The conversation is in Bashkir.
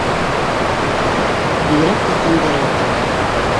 Бигерәк тә төндәрен ҡыйын.